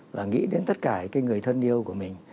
và nghĩ đến tất cả cái người thân yêu của mình